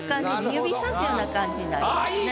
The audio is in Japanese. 指さすような感じになりますね。